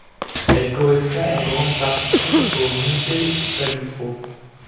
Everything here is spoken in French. Elle correspond en grande partie au Montefeltro.